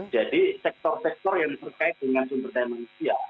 jadi sektor sektor yang berkaitan dengan sumber daya manusia